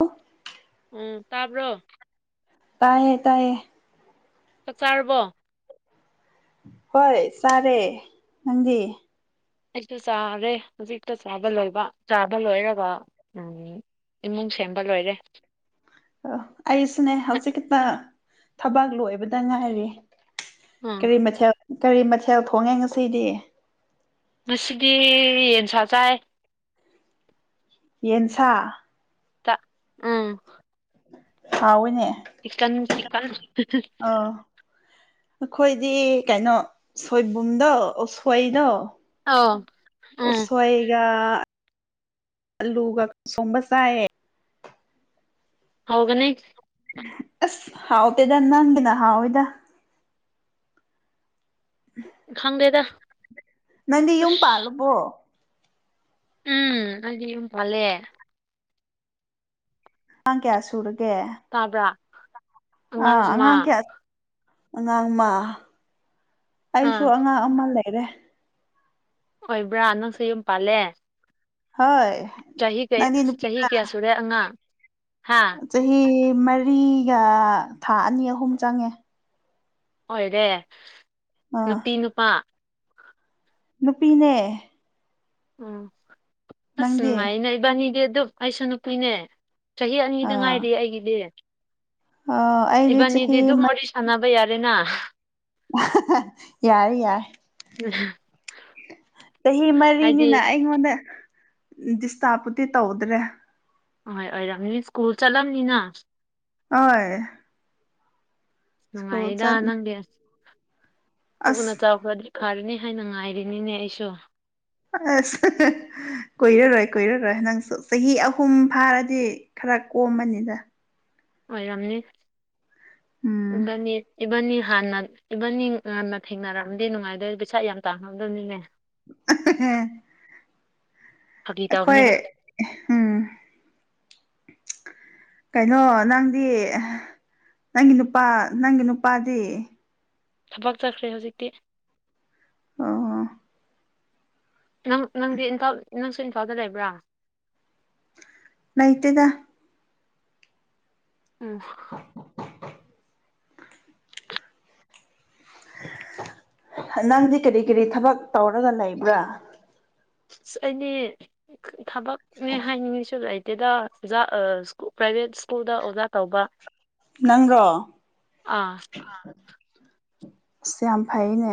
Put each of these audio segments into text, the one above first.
ꯑꯣ ꯎꯝ ꯇꯥꯕ꯭ꯔꯣ ꯇꯥꯏꯌꯦ ꯇꯥꯏꯌꯦ ꯆꯛ ꯆꯥꯔꯕꯣ ꯍꯣꯏ ꯆꯥꯔꯤ ꯅꯪꯗꯤ ꯑꯩꯁꯨ ꯆꯥꯔꯦ ꯍꯧꯖꯤꯛꯇ ꯆꯥꯕ ꯂꯣꯏꯕ ꯆꯥꯕ ꯂꯣꯏꯔꯒ ꯎꯝ ꯏꯃꯨꯡ ꯁꯦꯝꯕ ꯂꯣꯏꯔꯦ ꯑꯩꯁꯤꯅꯦ ꯍꯧꯖꯤꯛꯛꯇ ꯊꯕꯥꯛ ꯂꯣꯏꯕꯗ ꯉꯥꯏꯔꯤ ꯎꯝ ꯀꯔꯤ ꯃꯊꯦꯜ ꯀꯔꯤ ꯃꯊꯦꯜ ꯊꯣꯡꯉꯦ ꯉꯁꯤꯗꯤ ꯃꯁꯤꯗꯤ ꯌꯦꯟ ꯁꯥ ꯆꯥꯏ ꯌꯦꯟꯁꯥ ꯎꯝ ꯍꯥꯎꯅꯦ ꯆꯀꯟ ꯆꯀꯟ ꯑꯥ ꯑꯩꯈꯣꯏꯗꯤ ꯀꯩꯅꯣ ꯁꯣꯏꯕꯨꯝꯗꯣ ꯎꯁꯣꯏꯗꯣ ꯑꯧ ꯑꯣ ꯎꯝ ꯁꯏꯒ ꯂꯨꯒ ꯁꯣꯝꯕꯁꯑꯦ ꯍꯒꯅꯦ ꯑꯁ ꯍꯥꯎ ꯄꯦꯗ ꯅꯪꯗꯅ ꯍꯥꯎꯦꯗ ꯈꯪꯒꯦꯗ ꯅꯪꯗꯤ ꯌꯨꯝ ꯄꯥꯜꯂꯨꯕꯣ ꯎꯝ ꯑꯗ ꯌꯨꯝ ꯐꯂꯦ ꯍ ꯀꯌꯥ ꯁꯨꯔꯒ ꯇꯥꯕ꯭ꯔ ꯑꯥ ꯑꯉꯥꯡ ꯀꯌꯥ ꯑꯉꯥꯡꯃ ꯑꯩꯁꯨ ꯑꯥ ꯑꯉꯥꯡ ꯑꯃ ꯂꯩꯔꯦ ꯑꯣꯏꯕ꯭ꯔꯥ ꯅꯪꯁꯨ ꯌꯨꯝ ꯄꯥꯜꯂꯦ ꯍꯣꯏ ꯆꯍꯤ ꯀꯌꯥ ꯅꯪꯗꯤ ꯆꯍꯤ ꯅꯨꯄꯤꯒ ꯀꯌꯥ ꯁꯨꯔꯦ ꯑꯉꯥꯡ ꯍꯥ ꯆꯍꯤ ꯃꯔꯤꯒ ꯊꯥ ꯑꯅꯤ ꯑꯍꯨꯝ ꯆꯪꯉꯦ ꯑꯣꯏꯔꯦ ꯑꯥ ꯅꯨꯄꯤ ꯅꯨꯄꯥ ꯅꯨꯄꯤꯅꯦ ꯑꯣ ꯑꯁ ꯅꯪꯗꯤ ꯅꯨꯡꯉꯥꯏꯅꯦ ꯏꯕꯥꯅꯤꯗꯤ ꯑꯗꯨꯝ ꯑꯩꯁꯨ ꯅꯨꯨꯄꯤꯨꯏꯅꯦ ꯆꯍꯤ ꯑꯅꯤꯗ ꯑꯥ ꯉꯥꯏꯔꯤ ꯑꯩꯒꯤꯗꯤ ꯑꯣ ꯑꯩꯗꯤ ꯏꯕꯅꯤꯗ ꯆꯍꯤ ꯑꯗꯨꯗꯨ ꯃꯣ ꯁꯅꯥꯕ ꯌꯥꯔꯦꯅ ꯌꯥꯔꯦ ꯌꯥꯔꯦ ꯎꯝ ꯆꯍꯤ ꯃꯔꯤꯅꯤꯅ ꯑꯩꯉꯣꯟꯗ ꯗꯤꯁꯇꯥꯔꯕꯄꯨꯗꯤ ꯇꯧꯗ꯭ꯔꯦ ꯑꯣꯏ ꯑꯣꯏꯔꯕꯝꯅꯤ ꯁ꯭ꯀꯨꯜ ꯆꯠꯂꯝꯅꯤꯅ ꯍꯣꯏ ꯁ꯭ꯀꯨꯜ ꯅꯨꯡꯉꯥꯏꯗ ꯆꯠꯅꯤ ꯅꯪꯡꯁ ꯄꯨꯛꯅ ꯑꯁ ꯆꯥꯎꯈ꯭ꯔꯗꯤ ꯐꯔꯅꯤ ꯍꯥꯏꯅ ꯉꯥꯏꯔꯤꯅꯤꯅꯦ ꯑꯩꯁꯨ ꯑꯁ ꯀꯣꯏꯔꯔꯣꯏ ꯀꯣꯏꯔꯔꯣꯏ ꯅ ꯅꯪꯁꯨ ꯆꯍꯤ ꯑꯍꯨꯝ ꯐꯥꯔꯗꯤ ꯈꯔ ꯀꯣꯝꯃꯅꯤꯗ ꯑꯣꯏꯔꯝꯅꯤ ꯎꯝ ꯏꯕꯥꯅꯤ ꯏꯕꯥꯅꯤ ꯍꯥꯟꯅ ꯏꯕꯟ ꯉꯅ ꯊꯦꯡꯅꯔꯛꯑꯝꯗꯤꯦ ꯅꯨꯡꯉꯥꯏꯗꯣꯏ ꯄꯩꯁꯥ ꯌꯥꯝ ꯇꯥꯡꯉꯝꯗꯕꯅꯤꯅꯦ ꯍ ꯐꯥꯒꯤ ꯇꯧꯕꯅꯤꯗ ꯑꯩꯈꯣꯏ ꯎꯝ ꯀꯩꯅꯣ ꯅꯪꯗꯤ ꯅꯪꯒꯤ ꯅꯨꯄꯥ ꯅꯪꯒꯤ ꯅꯨꯄꯥꯗꯤ ꯊꯕꯛ ꯆꯠꯈ꯭ꯔꯦ ꯍꯧꯖꯤꯛꯇꯤ ꯑ ꯅꯪ ꯅꯪꯗꯤ ꯏꯝꯐꯜ ꯅꯪꯁꯨ ꯏꯝꯐꯥꯜꯗ ꯂꯩꯕ꯭ꯔꯥ ꯂꯩꯇꯗ ꯎꯝ [unintelligible] ꯅꯪꯗꯤ ꯀꯔꯤ ꯀꯔꯤ ꯊꯕꯛ ꯇꯧꯔꯒ ꯂꯩꯕ꯭ꯔꯥ꯫ ꯑꯁ ꯑꯩꯅꯦ ꯊꯕꯛꯅꯦ ꯍꯥꯏꯅꯤꯡꯉꯤꯁꯨ ꯂꯩ꯫ ꯗ ꯑꯣꯖꯥ ꯄ꯭ꯔꯥꯏꯚꯦꯠ ꯁ꯭ꯀꯨꯜꯗ ꯑꯣꯖꯥ ꯇꯧꯕ꯫ ꯅꯪꯔꯣ꫰ ꯑꯥ ꯑꯁ ꯌꯥꯝ ꯐꯩꯅꯦ꯫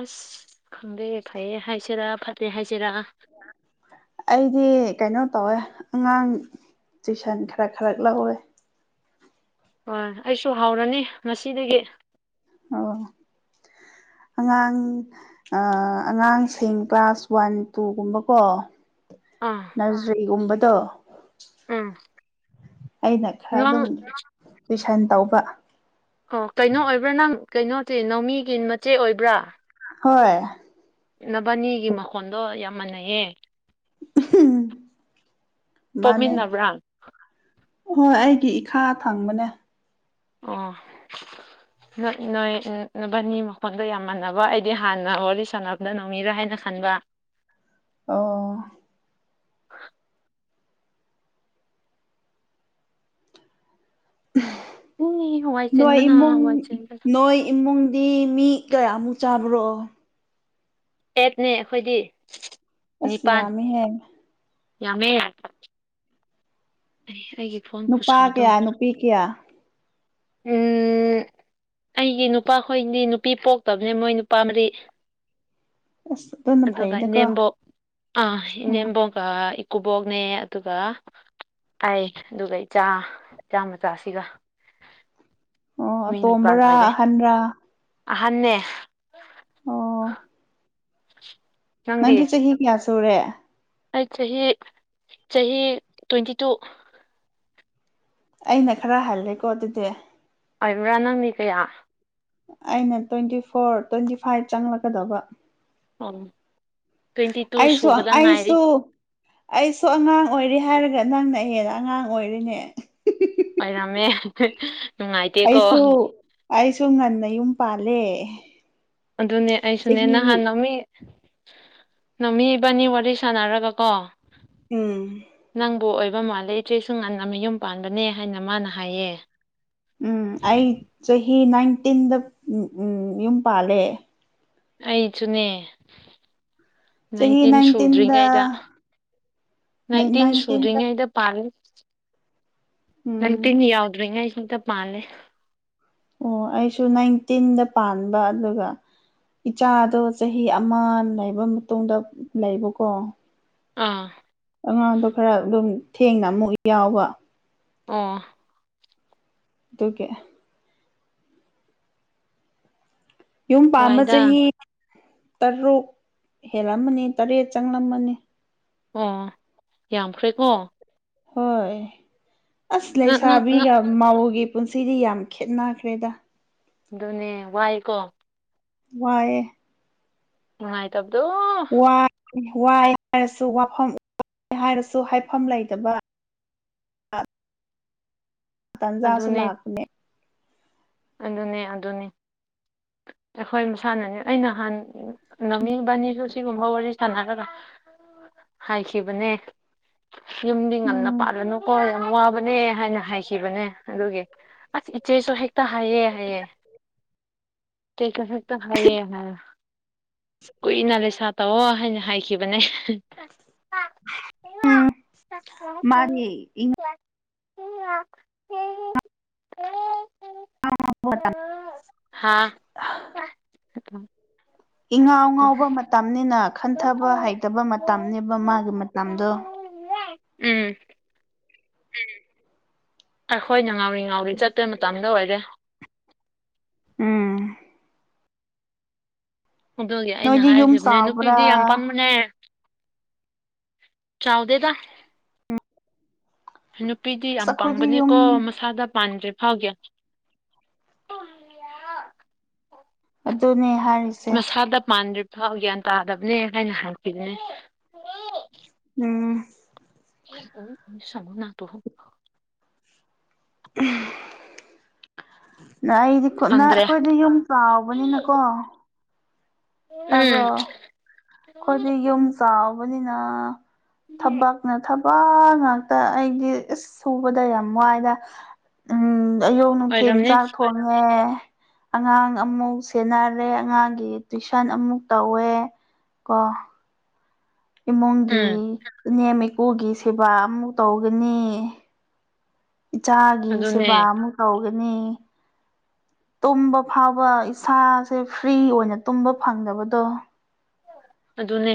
ꯑꯁ ꯈꯪꯗꯦ ꯐꯩꯌꯦ ꯍꯥꯏꯁꯦꯔꯥ ꯐꯠꯇꯦ ꯍꯥꯏꯁꯦꯔꯥ꯫ [inaudible] ꯑꯩꯗꯤ ꯀꯩꯅꯣ ꯇꯧꯋꯦ ꯑꯉꯥꯡ ꯇꯨꯏꯁꯟ ꯈꯔ ꯈꯔꯛ ꯂꯧꯋꯦ꯫ ꯍꯣꯏ ꯑꯩꯁꯨ ꯍꯥꯎꯔꯅꯤ ꯉꯁꯤꯗꯒꯤ꯫ [unintelligible] ꯑꯉꯥꯡ ꯑꯉꯥꯡꯁꯤꯡ ꯀ꯭ꯂꯥꯁ ꯋꯥꯟ ꯇꯨꯒꯨꯝꯕꯀꯣ꯫ ꯑꯥ ꯅꯔꯖꯔꯤꯒꯨꯝꯕꯗꯣ꯫ ꯎꯝ꯫ ꯑꯩꯅ ꯈꯔ ꯅꯪ ꯑꯗꯨꯝ ꯇꯨꯏꯁꯟ ꯇꯧꯕ꯫ ꯑꯣ ꯀꯩꯅꯣ ꯑꯣꯏꯕ꯭ꯔꯥ ꯅꯪ ꯀꯩꯅꯣꯗꯤ ꯅꯧꯃꯤꯒꯤ ꯃꯆꯦ ꯑꯣꯏꯕ꯭ꯔꯥ꯫ ꯍꯣꯏ꯫ ꯅꯕꯥꯅꯤꯒꯤ ꯃꯈꯣꯟꯗꯣ ꯌꯥꯝ ꯃꯥꯟꯅꯩꯌꯦ꯫ ꯎꯍꯨꯝ ꯃꯥꯅꯦ꯫ ꯄꯣꯛꯃꯤꯟꯅꯕ꯭ꯔꯥ ꯍꯣꯏ ꯑꯩꯒꯤ ꯏꯈꯥ ꯊꯪꯕꯅꯦ꯫ ꯑꯣ꯫ ꯅꯣꯏ ꯅꯣꯏ ꯕꯅꯤ ꯃꯈꯣꯟꯗꯣ ꯌꯥꯝ ꯃꯥꯟꯅꯕ ꯑꯩꯗꯤ ꯍꯥꯟꯅ ꯋꯥꯔꯤ ꯁꯥꯟꯅꯕꯗ ꯅꯣꯃꯤꯔꯥ ꯍꯥꯏ꯫ ꯍꯥꯌꯅ ꯈꯟꯕꯥ꯫ ꯑꯣ꯫ [inaudible] ꯎꯝ ꯍꯋꯥꯏ ꯅꯣꯏ ꯆꯦꯟꯕꯅ ꯏꯃꯨꯡ ꯍꯋꯥꯏ ꯆꯦꯟꯕꯅ ꯅꯣꯏ ꯏꯃꯨꯡ꯫ ꯗꯤ ꯃꯤ ꯀꯌꯥꯃꯨꯛ ꯆꯥꯕ꯭ꯔꯣ꯫ ꯑꯦꯠꯅꯦ ꯑꯩꯈꯣꯏꯗꯤ꯫ ꯑꯁ ꯅꯤꯄꯥꯟ ꯌꯥꯝꯃꯤꯍꯦ꯫ ꯌꯥꯝꯃꯦ ꯌꯥ꯫ [unintelligible] ꯅꯨꯄꯥ ꯈꯨꯁꯥꯗꯣ ꯀꯌꯥ ꯅꯨꯄꯤ ꯀꯌꯥ꯫ ꯎꯝ꯫ ꯑꯩꯒꯤ ꯅꯨꯄꯥꯈꯣꯏꯗꯤ ꯅꯨꯄꯤ ꯄꯣꯛꯇꯕꯅꯦ ꯃꯣꯏ ꯅꯨꯄꯥ ꯃꯔꯤ꯫ ꯑꯁ ꯑꯗꯨꯅ ꯑꯗꯨꯒ ꯐꯩꯗꯀꯣ ꯏꯅꯦꯝꯕꯣꯛ ꯑꯥ ꯏ ꯎꯝ ꯅꯦꯝꯕꯣꯒ꯫ ꯀꯨꯕꯣꯛꯅꯦ ꯑꯗꯨꯒ꯫ ꯑꯩ ꯑꯗꯨꯒ ꯏꯆꯥ ꯆꯥꯃꯆꯥꯁꯤꯒ꯫ ꯑꯣ ꯑꯇꯣꯝꯕꯔꯥ ꯑꯣꯏꯔꯦ ꯑꯍꯟ ꯔꯥ꯫ ꯑꯍꯟꯅꯦ꯫ ꯑꯣ꯫ ꯅꯪꯗꯤ ꯆꯍꯤ ꯀꯌꯥ ꯁꯨꯔꯦ꯫ ꯑꯩ ꯆꯍꯤ ꯆꯍꯤ ꯇ꯭ꯋꯦꯟꯇꯤ ꯇꯨ꯫ ꯑꯩꯅ ꯈꯔ ꯍꯜꯂꯦꯀꯣ ꯑꯗꯨꯗꯤ꯫ ꯑꯣꯏꯕ꯭ꯔꯥ ꯅꯪ ꯃꯤ ꯀꯌꯥ꯫ ꯑꯩꯅ ꯇ꯭ꯋꯦꯟꯇꯤ ꯐꯣꯔ ꯇ꯭ꯋꯦꯟꯇꯤ ꯐꯥꯏꯚ ꯆꯪꯂꯛꯀꯗꯕ꯫ ꯎꯝ꯫ ꯑꯩꯁꯨ ꯑꯩꯁꯨ ꯑꯩꯁꯨ ꯑꯉꯥꯡ ꯑꯣꯏꯔꯤ ꯍꯥꯏꯔ꯫ ꯅꯪꯅ ꯑꯩꯍꯦꯗ ꯑꯉꯥꯡ ꯑꯣꯏꯔꯦꯅꯦ꯫ ꯑꯣꯏꯔꯝꯃꯦ ꯅꯨꯡꯉꯥꯏꯇꯦꯀꯣ꯫ ꯑꯩꯁꯨ ꯑꯩꯁꯨ ꯉꯟꯅ ꯌꯨꯝ ꯄꯥꯜꯂꯦ꯫ ꯑꯗꯨꯅꯦ ꯑꯩꯁꯨꯅꯦ ꯆꯍꯤ ꯅꯍꯥꯟꯅꯃꯤ ꯅꯃꯤ ꯏꯕꯥꯅꯤ ꯋꯥꯔꯤ ꯁꯥꯟꯅꯔꯒ ꯀꯣ ꯎꯝ ꯍꯥꯏꯕ ꯃꯥꯜꯂꯦ ꯏꯆꯦ ꯁꯨ ꯉꯟꯅꯥ ꯑꯃꯌꯨꯝ ꯄꯥꯟꯕꯅꯦ ꯍꯥꯏꯅ ꯃꯥꯅ ꯍꯥꯏꯌꯦ ꯎꯝ ꯑꯩ ꯆꯍꯤ ꯅꯥꯏꯟꯇꯤꯟꯗ ꯌꯨꯝ ꯄꯥꯜꯂꯦ ꯑꯩꯁꯨꯅꯦ ꯆꯍꯤ ꯅꯥꯏꯟꯇꯤꯟ ꯅꯥꯏꯟꯇꯤꯟꯗ ꯁꯨꯗ꯭ꯔꯤꯉꯩꯗ ꯅꯥꯏꯟꯇꯤꯟ ꯅꯥꯏꯟꯇꯤꯟꯗ ꯁꯨꯗ꯭ꯔꯤꯉꯩꯗ ꯄꯥꯜꯂꯤꯦ ꯎꯝ ꯅꯥꯏꯟꯇꯤꯟ ꯌꯥꯎꯗꯔ꯭ꯤ ꯉꯩꯗ ꯄꯥꯜꯂꯦ ꯑꯣ ꯑꯩꯁꯨ ꯅꯥꯏꯟꯇꯤꯟꯗ ꯄꯥꯟꯕ ꯑꯗꯨꯒ ꯏꯆꯥꯗꯣ ꯆꯍꯤ ꯑꯃ ꯂꯩꯕ ꯃꯇꯨꯡꯗ ꯂꯩꯕꯀꯣ ꯑꯥ ꯑꯉꯥꯡꯗꯣ ꯈꯔ ꯑꯗꯨꯝ ꯊꯦꯡꯅ ꯑꯃꯨꯛ ꯌꯥꯎꯕ ꯑ ꯑꯇꯨꯒꯤ ꯌꯨꯝ ꯄꯥꯝꯕ ꯍꯣꯏꯗ ꯆꯍꯤ ꯇꯔꯨꯛ ꯍꯦꯜꯂꯝꯃꯅꯤ ꯇꯔꯦꯠ ꯆꯪꯂꯝꯃꯅꯤ ꯑꯣ ꯌꯥꯝꯈ꯭ꯔꯦꯀꯣ ꯍꯣꯏ ꯑꯁ ꯅꯪ ꯅꯪ ꯅꯪ ꯂꯩꯁꯥꯕꯤꯒ ꯃꯥꯎꯒꯤ ꯄꯨꯟꯁꯤꯗꯤ ꯌꯥꯝ ꯈꯦꯠꯅꯈ꯭ꯔꯦꯗ ꯑꯗꯨꯅꯦ ꯋꯥꯏꯀꯣ ꯋꯥꯑꯦ ꯅꯨꯉꯥꯏꯠꯕꯗꯣ ꯑꯣ ꯋꯥꯏ ꯍꯥꯏꯔꯁꯨ ꯋꯥꯐꯝ ꯍꯥꯏꯔꯁꯨ ꯍꯥꯏꯐꯝ ꯂꯩꯇꯕ ꯑ ꯇꯟꯖꯥꯁꯨ ꯑꯗꯨꯅꯦ ꯂꯥꯛꯄꯅꯦ ꯑꯗꯨꯅꯦ ꯑꯗꯨꯅꯦ ꯑꯩꯈꯣꯏ ꯃꯁꯥꯟꯅꯅꯤ ꯑꯩ ꯅꯍꯥꯟ ꯅꯝꯃꯤ ꯏꯕꯥꯏꯅꯤꯁꯨ ꯁꯤꯒꯨꯝꯕ ꯋꯥꯔꯤ ꯁꯥꯟꯅꯔꯒ [inaudible] ꯍꯥꯏꯈꯤꯕꯅꯦ ꯌꯨꯝꯗꯤ ꯉꯟꯅ ꯄꯥꯜꯂꯅꯨꯀꯣ ꯌꯥꯝ ꯋꯥꯕꯅꯦ ꯍꯥꯏꯅ ꯍꯥꯏꯈꯤꯕꯅꯦ ꯑꯗꯨꯒꯤ ꯑꯁ ꯏꯆꯦꯁꯨ ꯍꯦꯛ ꯍꯥꯏꯌꯦ [unintelligible] ꯈꯛꯇ ꯍꯥꯏꯌꯦ ꯍꯥꯏ ꯀꯨꯏꯅ ꯂꯩꯁꯥ ꯇꯧꯑꯣ ꯍꯥꯏꯅ ꯍꯥꯏꯈꯤꯕꯅꯦ ꯎꯝ [unintelligible] ꯍꯥꯥ ꯏꯉꯥꯎ ꯉꯥꯎꯕ ꯃꯇꯝꯅꯤꯅ ꯈꯟꯊꯕ ꯍꯩꯇꯕ ꯃꯇꯝꯅꯦꯕ ꯃꯥꯒꯤ ꯃꯇꯝꯗꯣ ꯎꯝ ꯑꯩꯈꯣꯏꯅ ꯉꯥꯎꯔꯤ ꯉꯥꯎꯔꯤ ꯆꯠꯄ ꯃꯇꯝꯗ ꯑꯣꯏꯔꯦ ꯎꯝ ꯑꯗꯨꯒꯤ ꯑꯩꯅ ꯅꯣꯏꯗꯤ ꯌꯨꯝ ꯍꯥꯏꯈꯤꯕꯅꯦ ꯆꯥꯎꯕ꯭ꯔꯥ ꯅꯨꯄꯤꯗꯤ ꯌꯥꯝ ꯄꯥꯝꯕꯅꯦ ꯆꯥꯎꯗꯦꯗ ꯅꯨꯄꯤꯗꯤ ꯌꯥꯝ ꯑꯁ ꯑꯩꯈꯣꯏꯗꯤ ꯌꯨꯝ ꯄꯡꯕꯅꯤꯀꯣ ꯃꯁꯥꯗ ꯄꯥꯟꯗꯔ꯭ꯤ [unintelligible] ꯑꯗꯨꯅꯦ ꯍꯥꯏꯔꯤꯁꯦ ꯊꯥꯎ ꯒ꯭ꯌꯥꯟ ꯇꯥꯗꯕꯅꯦ ꯍꯥꯏꯅ ꯍꯥꯏꯈꯤꯕꯥꯅꯦ ꯎꯝ ꯁꯃꯅ ꯇ ꯍꯣ ꯎ ꯅ ꯑꯩꯗꯤꯅ ꯈꯪꯗ꯭ꯔꯦ ꯑꯩꯈꯣꯏꯗꯤ ꯌꯨꯝ ꯆꯥꯎꯕꯅꯤꯅꯀꯣ ꯇꯕ꯭ꯔꯣ ꯎꯝ ꯑꯩꯈꯣꯏꯗꯤ ꯌꯨꯝ ꯆꯥꯎꯕꯅꯤꯅ ꯊꯛꯕꯛꯥꯛꯅ ꯊ ꯋꯥ ꯉꯥꯛꯇ ꯑꯩꯗꯤ ꯏꯁ ꯁꯨꯕꯗ ꯌꯥꯝ ꯋꯥꯏꯅ ꯎ ꯑꯌꯣꯛ ꯅꯨꯡꯊꯤꯟ ꯑꯣꯏꯔꯝꯅꯤ ꯆꯥꯛ ꯊꯣꯡꯉꯦ ꯑꯉꯥꯡ ꯑꯃꯨꯛ ꯁꯦꯟꯅꯔꯦ ꯑꯉꯥꯡꯒꯤ ꯇꯨꯋꯏꯁꯟ ꯑꯃꯨꯛ ꯇꯧꯋꯦ ꯀꯣ ꯏꯃꯨꯡꯒꯤ ꯎꯝ ꯏ ꯅꯅꯦꯝ ꯏꯀꯨꯒꯤ ꯁꯦꯕꯥ ꯑꯃꯨꯛ ꯇꯧꯒꯅꯤ ꯏꯆꯥꯒꯤ ꯑꯗꯨꯅꯦ ꯁꯦꯕꯥ ꯑꯃꯨ ꯀꯧꯒꯅꯤ ꯇꯨꯝꯕ ꯐꯥꯎꯕ ꯏꯁꯥꯁꯦ ꯐ꯭ꯔꯤ ꯑꯣꯏꯅ ꯇꯨꯝꯕ ꯐꯪꯗꯕꯗꯣ ꯑꯗꯨꯅꯦ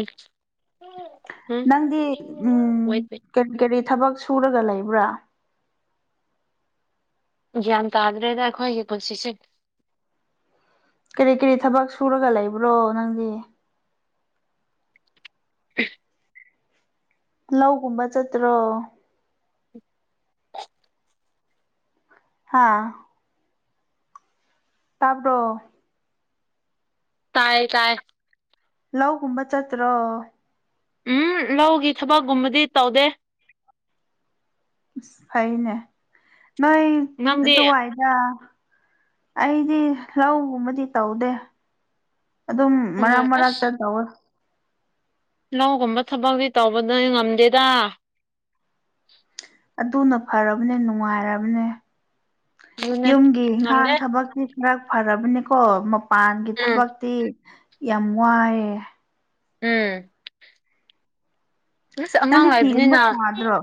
ꯎꯝ ꯅꯪꯗꯤ ꯎꯝ ꯋꯦꯠ ꯋꯦꯠ ꯀꯔꯤ ꯀꯔꯤ ꯊꯕꯛ ꯁꯨꯔꯒ ꯂꯩꯕ꯭ꯔꯥ ꯒ꯭ꯌꯥꯟ ꯇꯥꯗ꯭ꯔꯦꯗ ꯑꯩꯈꯣꯏꯒꯤ ꯄꯨꯟꯁꯤꯁꯦ ꯀꯔꯤ ꯀꯔꯤ ꯊꯕꯛ ꯁꯨꯔꯒ ꯂꯩꯕ꯭ꯔꯣ ꯅꯪꯗꯤ [unintelligible] ꯂꯧꯒꯨꯝꯕ ꯆꯠꯇ꯭ꯔꯣ ꯍꯥꯥ ꯇꯥꯕ꯭ꯔꯣ ꯇꯥꯏ ꯇꯥꯏ ꯂꯧꯒꯨꯝꯕ ꯆꯠꯇ꯭ꯔꯣ ꯎꯝ ꯂꯧꯒꯤ ꯊꯕꯛꯀꯨꯝꯕꯗꯤ ꯇꯧꯗꯦ ꯐꯩꯅꯦ ꯅꯣꯏ ꯅꯪꯗꯤ ꯋꯥꯏꯗ ꯑꯩꯗꯤ ꯂꯧꯒꯨꯝꯕꯗꯤ ꯇꯧꯗꯦ ꯑꯗꯨꯝ ꯍꯣꯏ ꯃꯔꯛ ꯑꯁ ꯃꯔꯛꯇ ꯇꯧꯔ ꯂꯧꯒꯨꯝꯕ ꯊꯕꯛꯗꯤ ꯇꯧꯕꯗ ꯉꯝꯗꯦꯗ ꯑꯗꯨꯅ ꯐꯔꯕꯅꯦ ꯅꯨꯡꯉꯥꯏꯔꯕꯅꯦ ꯑꯗꯨꯅꯦ ꯌꯨꯝꯒꯤ ꯉꯝꯗꯦ ꯏꯪꯈꯥꯡ ꯊꯕꯛꯀꯤ ꯉꯛ ꯐꯔꯕꯅꯤꯀꯣ ꯃꯄꯥꯟꯒꯤ ꯎꯝ ꯊꯕꯛꯇꯤ ꯌꯥꯝ ꯋꯥꯏꯑꯦ ꯎꯝ ꯑꯁ ꯑꯉꯥꯡ ꯅꯪꯗꯤ ꯐꯤꯒꯨꯝꯕ ꯍꯥꯏꯕꯅꯤꯅ ꯁꯥꯗ꯭ꯔꯣ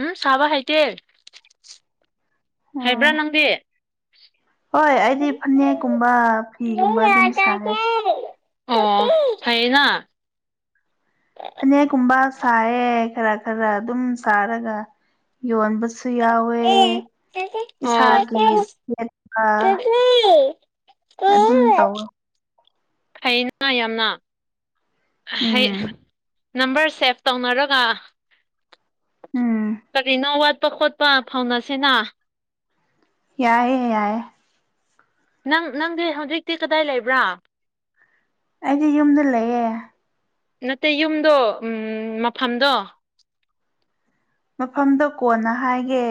ꯎꯝ ꯁꯥꯕ ꯍꯩꯇꯦ ꯍꯩꯕ꯭ꯔꯥ ꯑꯣ ꯅꯪꯗꯤ ꯍꯣꯏ ꯑꯩꯗꯤ ꯐꯅꯦꯛꯀꯨꯝꯕ ꯐꯤꯒꯨꯝꯕ ꯑꯗꯨꯝ ꯁꯥꯔꯦ ꯑꯣ ꯍꯥꯏꯌꯦꯅ ꯐꯅꯦꯛꯀꯨꯝꯕ ꯁꯥꯏꯌꯦꯦ ꯈꯔ ꯈꯔ ꯑꯗꯨꯝ ꯁꯥꯔꯒ ꯌꯣꯟꯕꯁꯨ ꯁꯨ ꯌꯥꯎꯋꯦ ꯑꯣ ꯏꯁꯥꯒꯤ ꯑꯥ ꯑꯗꯨꯝ ꯇꯧꯔꯣ ꯑꯩꯅ ꯌꯥꯝꯅ ꯍ ꯎꯝ ꯅꯝꯕꯔ ꯁꯦꯞ ꯇꯧꯅꯔꯒ ꯎꯝ ꯀꯔꯤꯅꯣ ꯆꯠꯄ ꯈꯣꯠꯄ ꯐꯥꯎꯅꯁꯦꯅ ꯌꯥꯏꯏ ꯌꯥꯏꯏ ꯅꯪ ꯅꯪꯗꯤ ꯍꯧꯖꯤꯛꯇꯤ ꯀꯗꯥꯏ ꯂꯩꯕ꯭ꯔꯥ ꯑꯩꯗꯤ ꯌꯨꯝꯗ ꯂꯩꯌꯦꯦ ꯅꯠꯇꯦ ꯌꯨꯝꯗꯣ ꯎ ꯃꯐꯝꯗꯣ ꯃꯐꯝꯗ ꯀꯣꯟꯅ ꯍꯥꯏꯒꯦ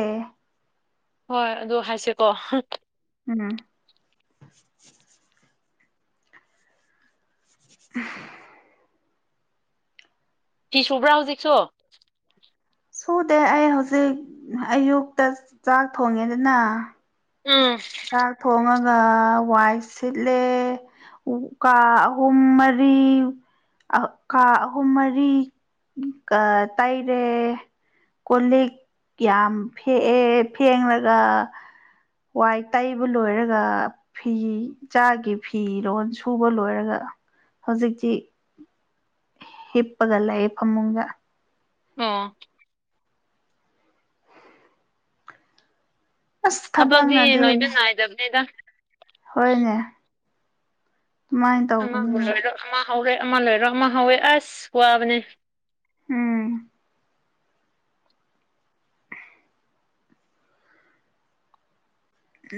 ꯍꯣꯏ ꯑꯗꯨ ꯍꯥꯏꯁꯀꯣ ꯎꯝ [unintelligible] ꯐꯤ ꯁꯨꯕ꯭ꯔꯥ ꯍꯧꯖꯤꯛꯁꯨ ꯁꯨꯗꯦ ꯑꯩ ꯍꯧꯖꯤꯛ ꯑꯌꯨꯛꯇ ꯆꯥꯛ ꯊꯣꯡꯉꯦꯗꯅ ꯑꯝ ꯆꯥꯛ ꯊꯣꯡꯉꯒ ꯋꯥꯏ ꯁꯤꯠꯂꯦ ꯀꯥ ꯑꯍꯨꯝ ꯃꯔꯤ ꯀꯥ ꯑꯍꯨꯝ ꯃꯔꯤ ꯇꯥꯏꯔꯦ ꯀꯣ ꯂꯤꯛ ꯌꯥꯝ ꯐꯦꯛꯑꯦ ꯐꯦꯡꯂꯒ ꯋꯥꯏ ꯇꯩꯕ ꯂꯣꯏꯔꯒ ꯐꯤ ꯆꯥꯒꯤ ꯐꯤꯔꯣꯜ ꯁꯨꯕ ꯂꯣꯏꯔꯒ ꯍꯧꯖꯤꯛꯁꯤ ꯏꯄꯒꯂ ꯐꯃꯨꯒ ꯑꯥ ꯑꯁ ꯊꯕꯛꯇꯤ ꯊꯕꯛꯅꯗꯤ ꯂꯣꯏꯅ ꯅꯥꯏꯗꯕꯅꯦꯗ ꯍꯣꯏꯅꯦ ꯑꯗꯨꯃꯥꯏꯅ ꯑꯃꯕꯨ ꯇꯧꯕꯅꯤꯅꯦ ꯂꯣꯏꯔꯣ ꯑꯃ ꯍꯧꯔꯦ ꯑꯃ ꯂꯣꯏꯔꯣ ꯑꯃ ꯍꯧꯋꯦ ꯑꯁ ꯋꯥꯕꯅꯦ ꯎꯝ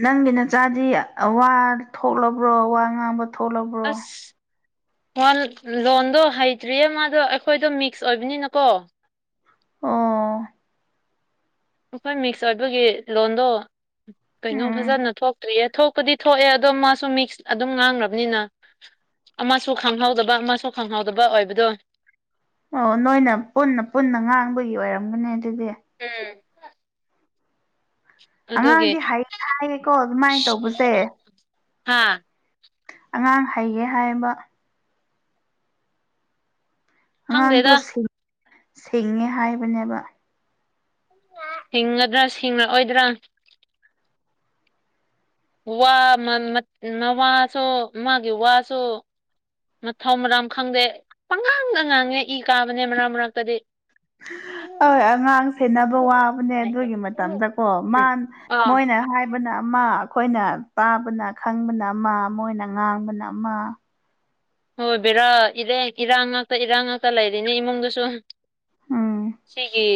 ꯅꯪꯒꯤ ꯅꯆꯥꯗꯤ ꯋꯥ ꯊꯣꯛꯂꯕ꯭ꯔꯣ ꯋꯥ ꯉꯥꯡꯕ ꯊꯣꯛꯂꯕ꯭ꯔꯣ ꯑꯁ ꯂꯣꯟꯗꯣ ꯍꯩꯇ꯭ꯔꯤꯌꯦ ꯃꯥꯗꯣ ꯑꯩꯈꯣꯏꯗꯣ ꯃꯤꯛꯁ ꯑꯣꯏꯕꯅꯤꯅꯀꯣ ꯎ ꯑꯩꯈꯣꯏ ꯃꯤꯛꯁ ꯑꯣꯏꯕꯒꯤ ꯂꯣꯟꯗꯣ ꯀꯩꯅꯣ ꯎꯝ ꯐꯖꯅ ꯊꯣꯛꯇ꯭ꯔꯤꯌꯦ ꯊꯣꯛꯄꯗꯤ ꯊꯣꯛꯑꯦ ꯑꯗꯣ ꯃꯥꯁꯨ ꯃꯤꯛꯁ ꯑꯗꯨꯝ ꯉꯥꯡꯈ꯭ꯔꯕꯅꯤꯅ ꯑꯃꯁꯨ ꯈꯪꯍꯧꯗꯕ ꯑꯃꯁꯨ ꯈꯪꯍꯧꯗꯕ ꯑꯣꯏꯕꯗꯣ ꯑꯣ ꯅꯣꯏꯅ ꯄꯨꯟꯅ ꯄꯨꯟꯅ ꯉꯥꯡꯕꯒꯤ ꯑꯣꯏꯔꯝꯒꯅꯤ ꯑꯗꯨꯗꯤ ꯎꯝ ꯑꯗꯨꯒꯤ ꯑꯉꯥꯡꯗꯤ ꯍꯥꯏ ꯍꯥꯏꯌꯦꯀꯣ ꯑꯗꯨꯃꯥꯏꯅ ꯇꯧꯕꯁꯦ ꯍꯥ ꯑꯉꯥꯡ ꯍꯩꯒꯦ ꯍꯥꯏꯕ ꯑꯉꯥꯡꯗꯣ ꯈꯪꯗꯦꯗ ꯁꯤꯡꯉꯦ ꯍꯥꯏꯕꯅꯦꯕ ꯍꯤꯡꯒꯗ꯭ꯔꯥ ꯍꯁꯤꯡꯡꯂꯛꯑꯣꯏꯗ꯭ꯔꯥ ꯋꯥ ꯃꯁꯨ ꯃꯥꯒꯤ ꯋꯥꯁꯨ ꯃꯊꯧ ꯃꯔꯝ ꯈꯪꯗꯦ ꯄꯪꯉꯥꯡ ꯑꯉꯥꯡꯅꯦ ꯏ ꯀꯥꯕꯅꯦ ꯃꯔꯛ ꯃꯔꯛꯇꯗꯤ ꯎꯝ ꯍꯣꯏ ꯑꯉꯥꯡ ꯁꯦꯕ ꯋꯥꯕꯅꯦ ꯑꯗꯨꯒꯤ ꯃꯇꯝꯗꯀꯣ ꯃꯥ ꯑꯥ ꯃꯣꯏꯅ ꯍꯥꯏꯕꯅ ꯑꯃ ꯑꯩꯈꯣꯏꯅ ꯇꯥꯕꯅ ꯈꯪꯕꯅ ꯑꯃ ꯃꯣꯏꯅ ꯉꯥꯡꯕꯅ ꯑꯃ ꯍꯣꯏꯕꯤꯕꯔꯥ ꯏꯔꯦ ꯏꯔꯥꯡ ꯉꯥꯛꯇ ꯏꯔꯥꯡ ꯉꯥꯛꯇ ꯂꯩꯔꯤꯅꯦ ꯏꯃꯨꯡꯗꯨꯁꯨ ꯎꯝ ꯁꯤꯒꯤ